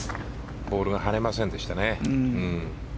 ボールが跳ねませんでしたね。